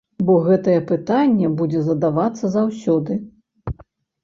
Бо гэтае пытанне будзе задавацца заўсёды.